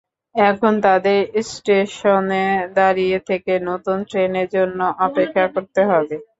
এখন তাদের স্টেশনে দাঁড়িয়ে থেকে নতুন ট্রেনের জন্য অপেক্ষা করতে হবে।